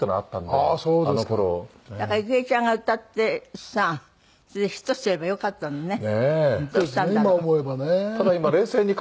だから郁恵ちゃんが歌ってさそれでヒットすればよかったのにね。